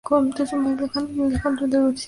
No apoyó ni a Alejandro Toledo ni a Alan García.